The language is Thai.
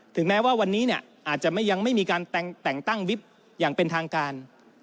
แม้ว่าวันนี้เนี่ยอาจจะยังไม่มีการแต่งตั้งวิบอย่างเป็นทางการ